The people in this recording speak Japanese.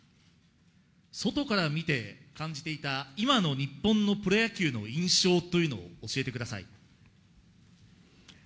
外から見て感じていた、今の日本のプロ野球の印象というのを教えてください。